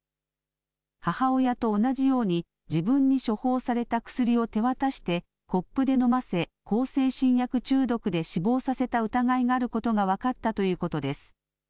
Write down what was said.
母親と同じように自分に処方された薬を手渡してコップで飲ませ向精神薬中毒で死亡させた疑いがあることが分かったということです。